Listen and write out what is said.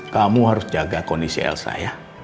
kamu harus jaga kondisi elsa ya